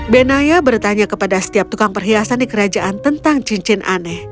benaya bertanya kepada setiap tukang perhiasan di kerajaan tentang cincin aneh